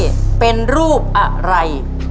โดเรมมี่เป็นรูปอะไร